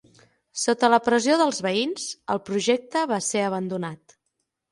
Sota la pressió dels veïns, el projecte va ser abandonat.